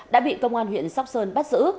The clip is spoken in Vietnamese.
đã bị công an huyện sóc sơn bắt giữ